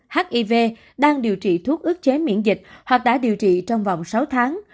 hiv đang điều trị thuốc ước chế miễn dịch hoặc đã điều trị trong vòng sáu tháng